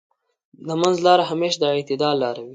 د منځ لاره همېش د اعتدال لاره وي.